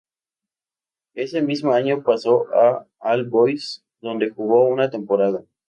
Ese mismo año pasó a All Boys, donde jugó una temporada.